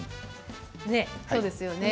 そうですよね。